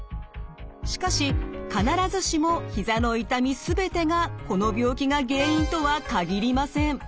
しかし必ずしもひざの痛み全てがこの病気が原因とは限りません。